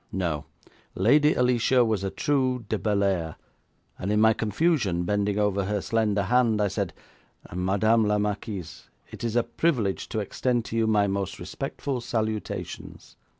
No; Lady Alicia was a true de Bellairs, and in my confusion, bending over her slender hand, I said: 'Madame la Marquise, it is a privilege to extend to you my most respectful salutations.'